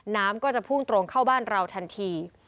น้ำก็จะพุ่งตรงเข้าบ้านเราทันที